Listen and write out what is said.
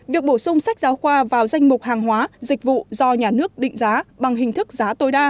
việc bổ sung sách giáo khoa vào danh mục hàng hóa dịch vụ do nhà nước định giá bằng hình thức giá tối đa